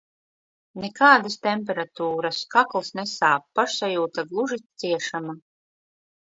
Nekādas temperatūras, kakls nesāp, pašsajūta gluži ciešama.